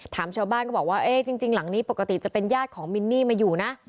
ชาวบ้านก็บอกว่าเอ๊ะจริงหลังนี้ปกติจะเป็นญาติของมินนี่มาอยู่นะ